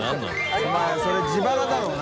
お前それ自腹だろうな？